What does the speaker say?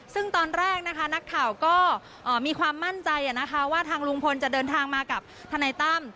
ซึ่งตอนแรกนะคะนักข่าวก็มีความมั่นใจว่าทางลุงพลจะเดินทางมากับทนายตั้ม